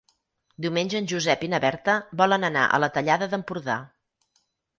Diumenge en Josep i na Berta volen anar a la Tallada d'Empordà.